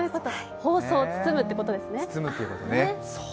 ほうそう、包むということですね。